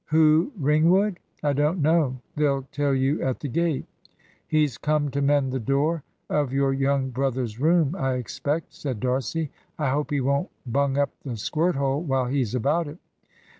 "Who Ringwood? I don't know; they'll tell you at the gate." "He's come to mend the door of your young brother's room, I expect," said D'Arcy. "I hope he won't bung up the squirt hole while he's about it."